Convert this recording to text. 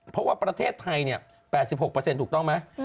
เพราะว่าประเทศไทย๘๖ถูกต้องไหม